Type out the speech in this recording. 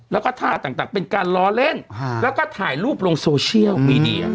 แล้วก็ท่าต่างเป็นการล้อเล่นแล้วก็ถ่ายรูปลงโซเชียลมีเดีย